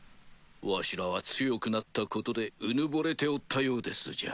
わしらは強くなったことでうぬぼれておったようですじゃ。